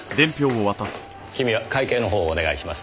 君は会計の方をお願いします。